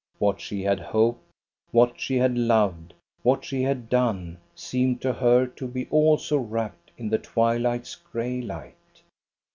What she had hoped, what she had loved, what she had done, seemed to her to be also wrapped in the twilight's gray light.